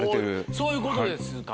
そういうことですか？